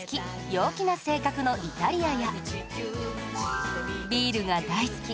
陽気な性格のイタリアやビールが大好き！